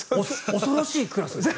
恐ろしいクラスですね。